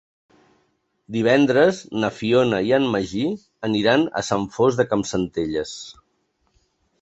Divendres na Fiona i en Magí aniran a Sant Fost de Campsentelles.